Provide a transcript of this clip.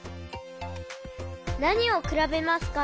なにをくらべますか？